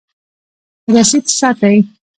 رسید ساتئ